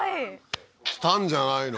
きたんじゃないの？